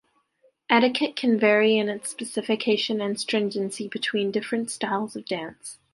Etiquette can vary in its specification and stringency between different styles of dance.